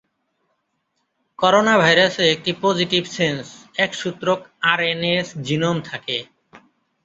করোনাভাইরাসে একটি positive sense, এক-সূত্রক আরএনএ জিনোম থাকে।